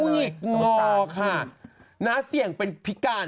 เงาว์วันที่น้าเซียงที่จะพิการ